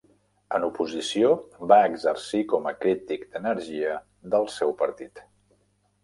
En oposició, va exercir com a crític d'energia del seu partit.